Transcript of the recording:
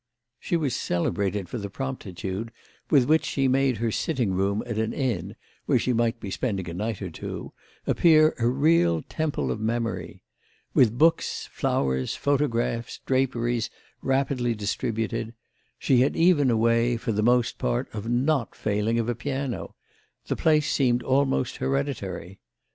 She was celebrated for the promptitude with which she made her sitting room at an inn, where she might be spending a night or two, appear a real temple of memory. With books, flowers, photographs, draperies, rapidly distributed—she had even a way, for the most part, of not failing of a piano—the place seemed almost hereditary.